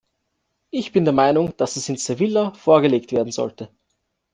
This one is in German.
Ich bin der Meinung, dass es in Sevilla vorgelegt werden sollte.